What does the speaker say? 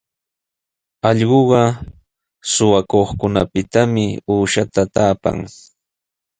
Allquqa suqakuqpitami uushata taapan.